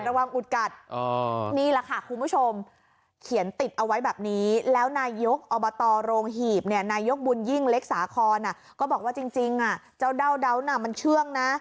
อุดกัดนี่แหละค่ะคุณผู้ชมเขียนติดเอาไว้แบบนี้แล้วนายกอบตโรงหีบเนี่ยนายกบุญยิ่งเล็กสาครก็บอกว่าจริงเจ้าเดาน่ะมันเชื่องนะ